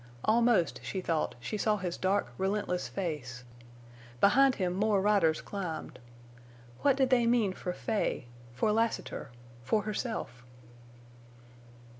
Almost, she thought, she saw his dark, relentless face. Behind him more riders climbed. What did they mean for Fay—for Lassiter—for herself?